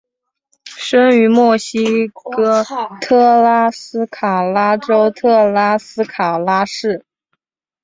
生于墨西哥特拉斯卡拉州特拉斯卡拉市。